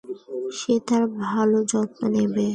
সে তার ভালো যত্ন নেবে।